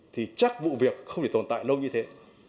thì chắc vụ việc không chỉ tồn tại lâu như thế